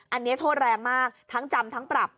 อันนี้โทษแรงมากทั้งจำทั้งปรับ